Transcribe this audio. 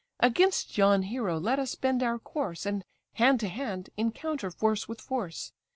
Against yon hero let us bend our course, And, hand to hand, encounter force with force.